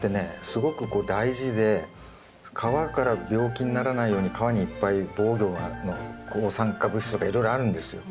すごくこう大事で皮から病気にならないように皮にいっぱい防御の抗酸化物質とかいろいろあるんですよ。